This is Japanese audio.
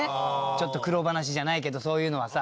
ちょっと苦労話じゃないけどそういうのはさ。